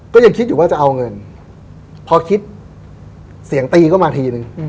ก็ยังคิดอยู่ว่าจะเอาเงินพอคิดเสียงตีเข้ามาทีนึง